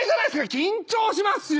緊張しますよ。